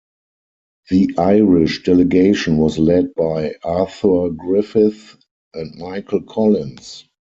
The Irish delegation was led by Arthur Griffith and Michael Collins.